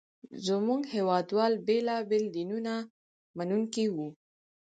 زموږ هېواد وال بېلابېل دینونه منونکي وو.